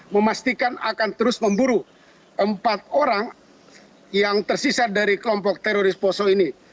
memastikan akan terus memburu empat orang yang tersisa dari kelompok teroris poso ini